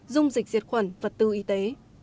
dung dịch diệt khuẩn vật tư y tế